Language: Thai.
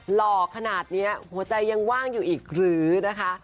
หล่อขนาดนี้หัวใจยังว่างอยู่อีกหรือนะคะ